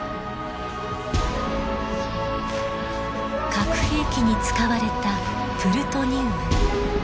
核兵器に使われたプルトニウム。